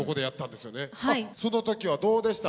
その時はどうでした？